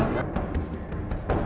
badan nasional penanggulangan teroris